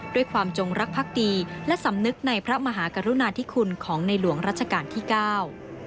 จงรักภักดีและสำนึกในพระมหากรุณาธิคุณของในหลวงรัชกาลที่เก้า